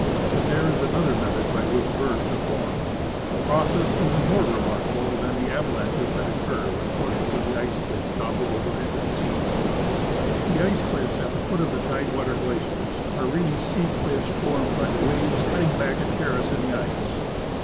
But there is another method by Avhich bergs are formed — a process even more remarkable than the avalanches that occur when portions of the ice cliffs topple over into the sea. The ice cliffs at the foot of the tide water glaciers are really sea cliffs formed by the waves cutting back a terrace in the ice.